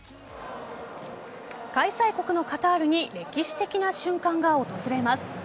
開催国のカタールに歴史的な瞬間が訪れます。